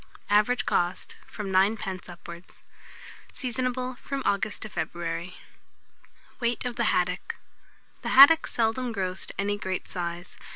Average cost, from 9d. upwards. Seasonable from August to February. WEIGHT OF THE HADDOCK. The haddock seldom grows to any great size.